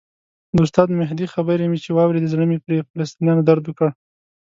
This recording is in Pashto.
د استاد مهدي خبرې چې مې واورېدې زړه مې پر فلسطینیانو درد وکړ.